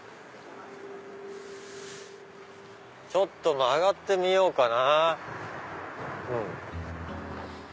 ちょっと曲がってみようかな。